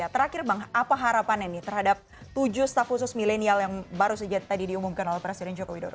terakhir bang apa harapannya terhadap tujuh staff khusus milenial yang baru saja tadi diumumkan oleh presiden jokowi